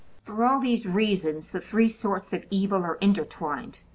For all these reasons, the three sorts of evil are intertwined.